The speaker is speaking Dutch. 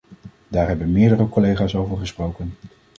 Daar hebben meerdere collega's over gesproken.